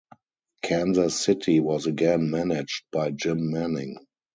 Kansas City was again managed by Jim Manning.